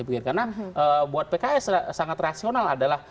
karena buat pks sangat rasional adalah